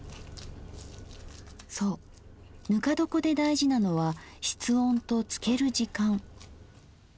そうぬか床で大事なのは室温と漬ける時間。